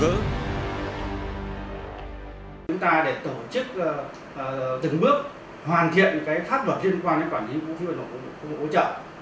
chúng ta để tổ chức từng bước hoàn thiện pháp luật liên quan đến quản lý vũ khí vật liệu nổ công cụ hỗ trợ